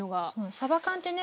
さば缶ってね